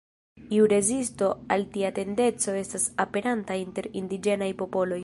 Iu rezisto al tia tendenco estas aperanta inter indiĝenaj popoloj.